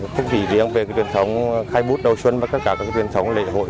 không chỉ riêng về cái truyền thống khai bút đầu xuân mà tất cả các truyền thống lễ hội